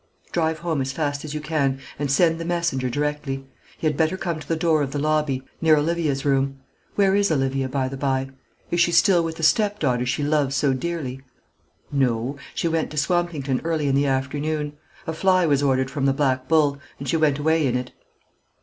"Drive home as fast as you can, and send the messenger directly. He had better come to the door of the lobby, near Olivia's room. Where is Olivia, by the bye? Is she still with the stepdaughter she loves so dearly?" "No; she went to Swampington early in the afternoon. A fly was ordered from the Black Bull, and she went away in it."